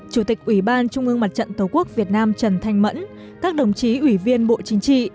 chủ tịch ủy ban trung ương mặt trận tổ quốc việt nam trần thanh mẫn các đồng chí ủy viên bộ chính trị